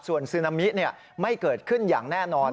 ส่วนซึนามิไม่เกิดขึ้นอย่างแน่นอน